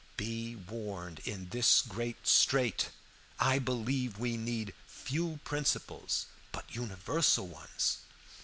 "Be warned in this great strait. I believe we need few principles, but universal ones.